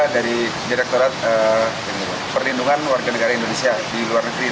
dari direkturat perlindungan warga negara indonesia di luar negeri